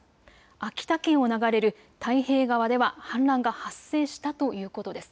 秋田県を流れる太平川では氾濫が発生したということです。